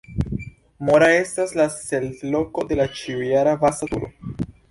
Mora estas la cel-loko de la ĉiu-jara Vasa-kuro.